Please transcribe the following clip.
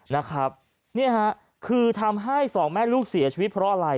นี่ครับคือทำให้๒แม่ลูกเสียชีวิตเพราะอะไร